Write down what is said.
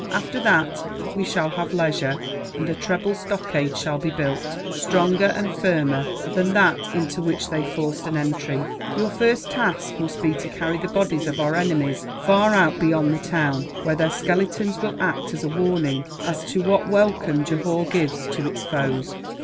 After that, we shall have leisure, and a treble stockade shall be built, stronger and firmer than that into which they forced an entry. Your first task must be to carry the bodies of our enemies far out beyond the town, where their skeletons will act as a warning as to what welcome Johore gives to its foes.